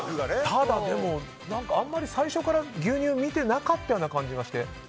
ただ、あまり最初から牛乳見てなかった感じがして。